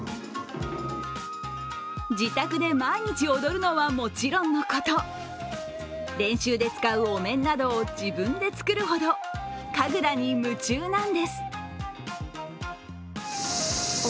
自宅で毎日踊るのはもちろんのこと、練習で使うお面などを自分で作るほど神楽に夢中なんです。